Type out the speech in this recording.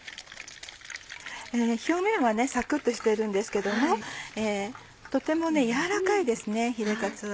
表面はサクっとしているんですけどもとても軟らかいですヒレカツは。